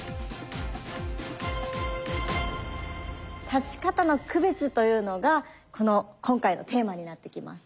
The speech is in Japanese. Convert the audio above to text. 立ち方の区別というのが今回のテーマになってきます。